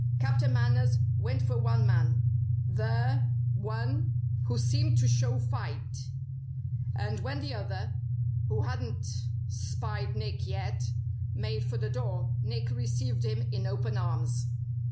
Captain Manners went for one man the one who seemed to show fight, and when the other (who hadn't spied Nick yet) made for the door, Nick received him in open arms.